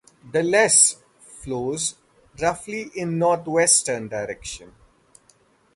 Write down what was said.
The Lesse flows roughly in north-western direction.